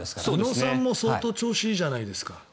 宇野さんも相当調子がいいじゃないですか。